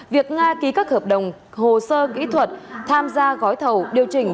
việc nga ký các hợp đồng hồ sơ kỹ thuật tham gia gói thầu điều chỉnh